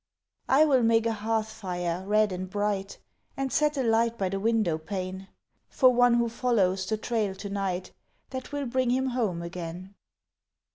I will make a hearth fire red and bright And set a light by the window pane For one who follows the trail to night That will bring him home again.